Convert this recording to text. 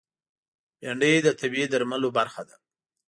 بېنډۍ د طبعي درملو برخه ده